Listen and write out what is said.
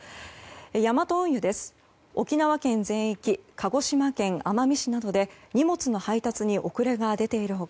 ヤマト運輸は沖縄県全域鹿児島県奄美市などで荷物の配達に遅れが出ている他